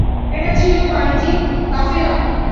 এটা ছিল একটি বাণিজ্যিক কাফেলা।